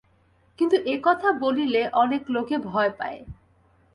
কিন্তু একথা বলিলে অনেক লোকে ভয় পায়।